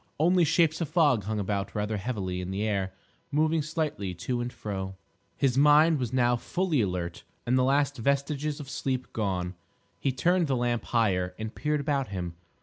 Only shapes of fog hung about rather heavily in the air, moving slightly to and fro. His mind was now fully alert, and the last vestiges of sleep gone. He turned the lamp higher and peered about him.